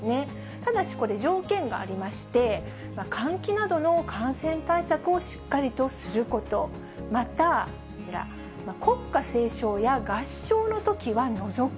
ただし、これ、条件がありまして、換気などの感染対策をしっかりとすること、また、こちら、国歌斉唱や合唱のときは除く。